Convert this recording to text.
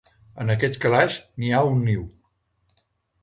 En aquest calaix n'hi ha un niu.